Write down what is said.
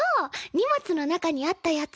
荷物の中にあったやつ。